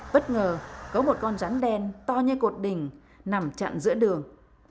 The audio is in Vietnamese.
bất ngờ có một con rắn đen to như cột đỉnh nằm chặn giữa đường